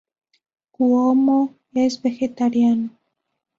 Cuomo es vegetariano.